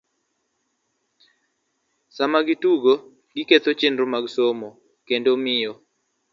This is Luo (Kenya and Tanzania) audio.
Sama gitugo, giketho chenro mag somo, kendo miyo